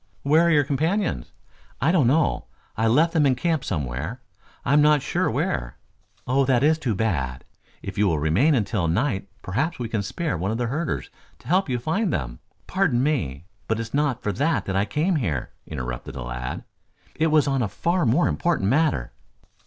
"Where are your companions?" "I don't know. I left them in camp somewhere, I am not sure where." "Oh, that is too bad. If you will remain until night perhaps we can spare one of the herders to help you find them " "Pardon me, but it is not for that that I came here," interrupted the lad. "It was on a far more important matter."